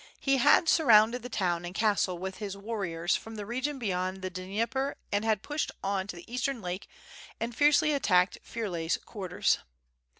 He had surorunded the town and castle with his warriors from the region beyond the Dnieper and had pushed on to the eastern lake and fiercely attacked Pir ley's quarters.